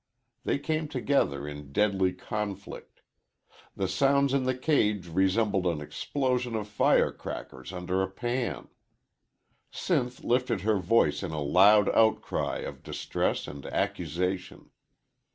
They came together in deadly conflict. The sounds in the cage resembled an explosion of fire crackers under a pan. Sinth lifted her voice in a loud outcry of distress and accusation.